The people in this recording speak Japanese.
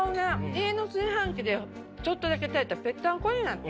家の炊飯器でちょっとだけ炊いたらぺったんこになって。